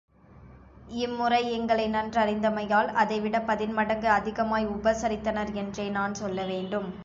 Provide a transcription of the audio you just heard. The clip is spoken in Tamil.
இம்முறை எங்களை நன்றறிந்தமையால் அதைவிடப் பதின்மடங்கு அதிகமாய் உபசரித்தனர் என்றே நான் சொல்லவேண்டும்.